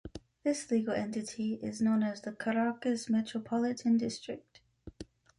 This legal entity is known as the Caracas Metropolitan District.